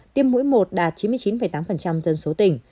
tiêm mũi một đạt chín mươi chín tám dân số tỉnh